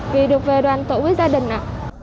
vì được về đoàn tổ với gia đình ạ